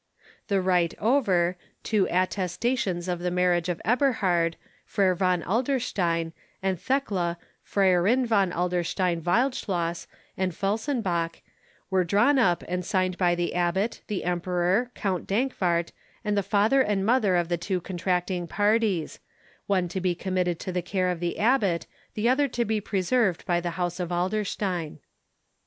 The rite over, two attestations of the marriage of Eberhard, Freiherr von Adlerstein, and Thekla, Freiherrinn von Adlerstein Wildschloss and Felsenbach, were drawn up and signed by the abbot, the Emperor, Count Dankwart, and the father and mother of the two contracting parties; one to be committed to the care of the abbot, the other to be preserved by the house of Adlerstein.